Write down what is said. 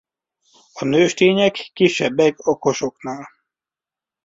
A nőstények kisebbek a kosoknál.